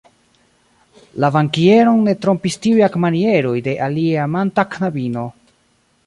La bankieron ne trompis tiuj agmanieroj de alieamanta knabino.